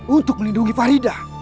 untuk melindungi farida